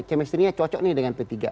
kemestrinya cocok nih dengan p tiga